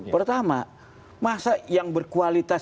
pertama masa yang berkualitas